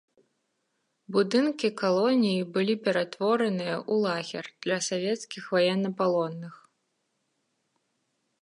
Будынкі калоніі былі ператвораныя ў лагер для савецкіх ваеннапалонных.